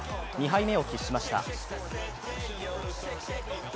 ２敗目を喫しました。